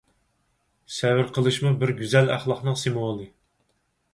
سەۋر قىلىشمۇ بىر گۈزەل ئەخلاقنىڭ سىمۋولى!